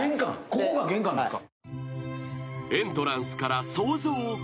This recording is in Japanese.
ここが玄関なんですか。